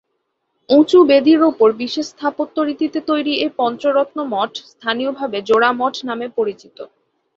উঁচু বেদীর উপর বিশেষ স্থাপত্য রীতিতে তৈরি এই পঞ্চরত্ন মঠ স্থানীয়ভাবে জোড়া মঠ নামে পরিচিত।